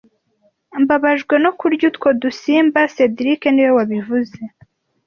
Mbabajwe no kurya utwo dusimba cedric niwe wabivuze